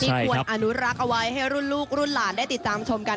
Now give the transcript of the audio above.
ควรอนุรักษ์เอาไว้ให้รุ่นลูกรุ่นหลานได้ติดตามชมกัน